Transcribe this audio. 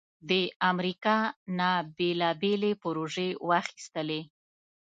د امریکا نه بیلابیلې پروژې واخستلې